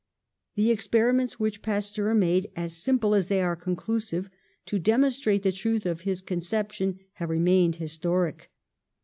The experiments which Pas teur made, as simple as they are conclusive, to demonstrate the truth of his conception, have remained historic.